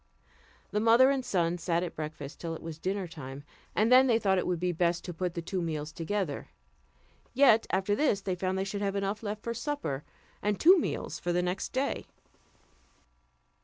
The mother and son sat at breakfast till it was dinner time, and then they thought it would be best to put the two meals together; yet, after this they found they should have enough left for supper, and two meals for the next day.